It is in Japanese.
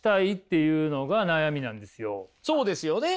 そうですよね。